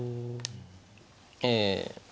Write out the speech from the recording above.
ええ。